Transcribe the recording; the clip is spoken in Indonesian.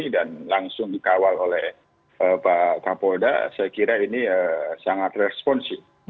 dan langsung dikawal oleh pak kapolda saya kira ini sangat responsif